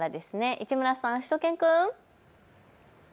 市村さん、しゅと犬くん。